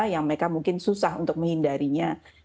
yang mereka mungkin susah untuk menghindarinya